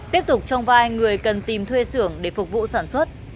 tiếp tục trong vai người cần tìm thuê xưởng để phục vụ sản xuất